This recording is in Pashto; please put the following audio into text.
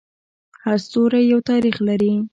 هر ستوری یو تاریخ لري.